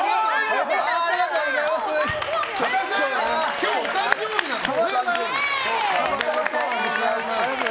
今日お誕生日なんですね。